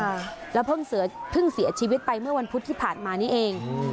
ค่ะแล้วเพิ่งเสียชีวิตไปเมื่อวันพุธที่ผ่านมานี่เอง